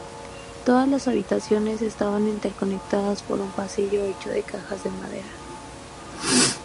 Todas las habitaciones estaban interconectadas por un pasillo hecho de cajas de madera.